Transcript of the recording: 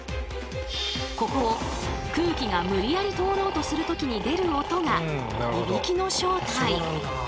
ここを空気が無理やり通ろうとする時に出る音がいびきの正体。